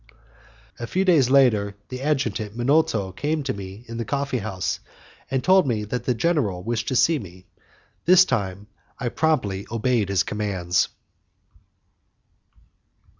A few days later the Adjutant Minolto came to me in the coffee house, and told me that the general wished to see me: this time I promptly obeyed his commands.